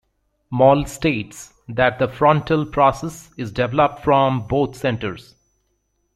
Mall states that the frontal process is developed from both centers.